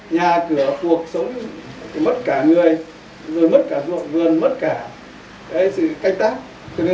nhà cửa cuộc sống mất cả người rồi mất cả ruộng vườn mất cả cái cách tác